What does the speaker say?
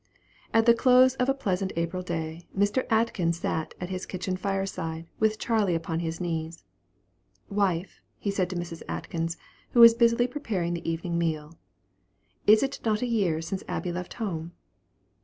At the close of a pleasant April day, Mr. Atkins sat at his kitchen fire side, with Charley upon his knees. "Wife," said he to Mrs. Atkins, who was busily preparing the evening meal, "is it not a year since Abby left home?"